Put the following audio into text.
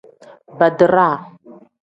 Baadiraa.